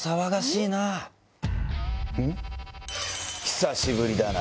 久しぶりだな。